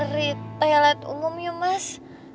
eee kita cari toilet umum yuk mas